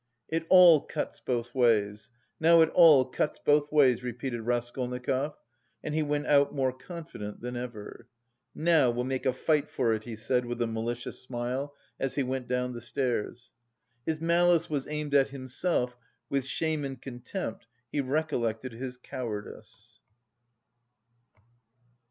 "It all cuts both ways, now it all cuts both ways," repeated Raskolnikov, and he went out more confident than ever. "Now we'll make a fight for it," he said, with a malicious smile, as he went down the stairs. His malice was aimed at himself; with shame and contempt he recollected his "cowardice."